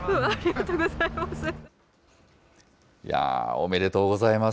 おめでとうございます。